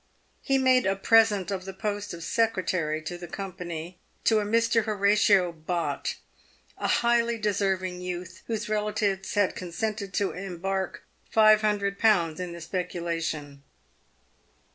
He made a present of the post of secretary to the company to a Mr. Horatio Eott, a highly deserving youth whose relatives had consented to embark 500/. in the speculation.